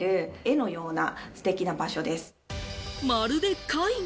まるで絵画！